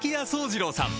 惣次郎さん